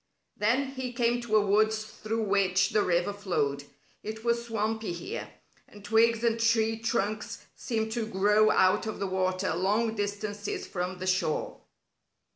Then he came to a woods through which the river flowed. It was swampy here, and twigs and tree trunks seemed to grow out of the water long distances from the shore.